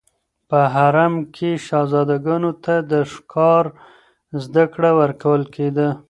په حرم کې شهزادګانو ته د ښکار زده کړه ورکول کېده.